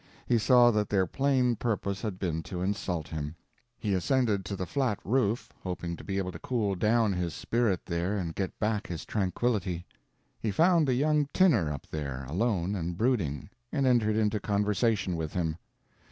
He saw that their plain purpose had been to insult him. He ascended to the flat roof, hoping to be able to cool down his spirit there and get back his tranquility. He found the young tinner up there, alone and brooding, and entered into conversation with him.